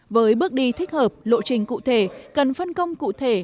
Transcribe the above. với bước đi thích hợp lộ trình cụ thể cần phân công cụ thể